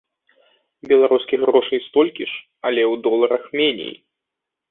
Беларускіх грошай столькі ж, але у доларах меней.